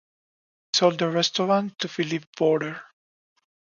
He sold the restaurant to Philippe Bohrer.